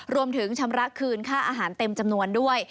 ชำระคืนค่าอาหารเต็มจำนวนด้วย